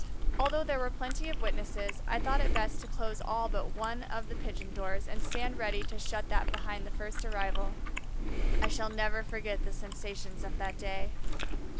Although there were plenty of witnesses, I thought it best to close all but one of the pigeon doors and stand ready to shut that behind the first arrival. I shall never forget the sensations of that day.